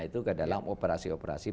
itu ke dalam operasi operasi